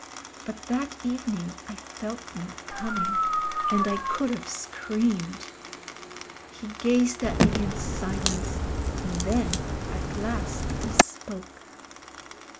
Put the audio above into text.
But that evening I felt them coming, and I could have screamed. He gazed at me in silence and then at last he spoke.